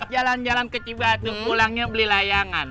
jalan jalan ke cibatu pulangnya beli layangan